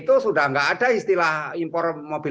itu sudah enggak ada istilah impor mobil apa istilahnya kan